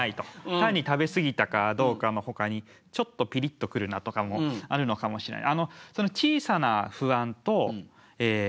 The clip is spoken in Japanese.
単に食べ過ぎたかどうかのほかにちょっとピリッとくるなとかもあるのかもしれない。